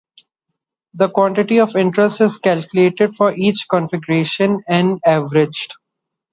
The quantity of interest is calculated for each configuration, and averaged.